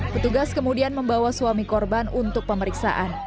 petugas kemudian membawa suami korban untuk pemeriksaan